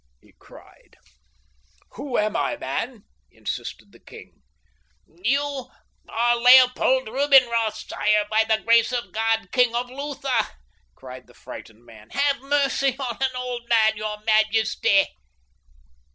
he cried. "Who am I, man?" insisted the king. "You are Leopold Rubinroth, sire, by the grace of God, king of Lutha," cried the frightened man. "Have mercy on an old man, your majesty."